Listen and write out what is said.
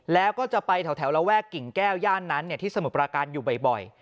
แล้วก็จะไปแถวระแวกกิ่งแก้วย่านนั้นที่สมุทรปราการอยู่บ่อย